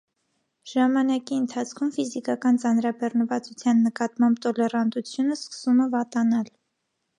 Ժամանակի ընթացքում ֆիզիկական ծանրաբեռնվածության նկատմամբ տոլեռանտությունը սկսումը վատանալ։